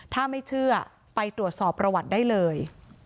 ถ้าไม่เชื่อไปตรวจสอบประวัติได้เลย